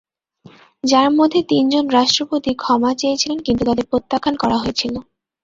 যার মধ্যে তিন জন রাষ্ট্রপতি ক্ষমা চেয়েছিলেন কিন্তু তাদের প্রত্যাখ্যান করা হয়েছিল।